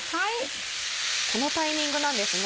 このタイミングなんですね。